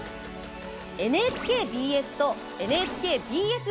ＮＨＫＢＳとＮＨＫＢＳ